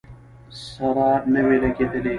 سره نه وې لګېدلې.